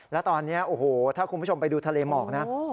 แล้วตอนนี้โอ้โหถ้าคุณผู้ชมไปดูทะเลหมอกนะ